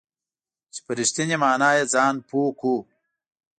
چې په رښتینې معنا یې ځان پوه کړو .